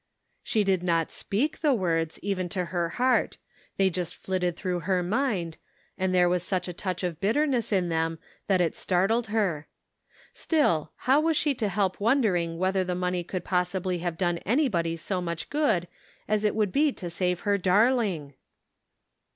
She did not speak the words .even to her heart; they just flitted through her mind, and there Measured by Trial. 355 was such a touch of bitterness in them that it startled her. Still, how was she to help won dering whether the money could possibly have done anybody so much good as it would be to save her darling